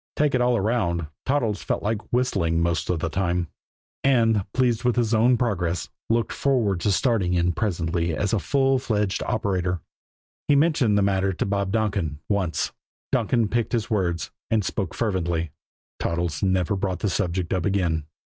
Take it all around, Toddles felt like whistling most of the time; and, pleased with his own progress, looked forward to starting in presently as a full fledged operator. He mentioned the matter to Bob Donkin once. Donkin picked his words and spoke fervently. Toddles never brought the subject up again.